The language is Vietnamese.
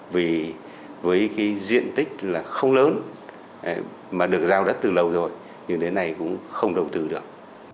vì với cái diện tích là không lớn mà được giao đất từ lâu rồi nhưng đến nay cũng không đầu tư được